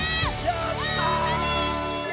やった！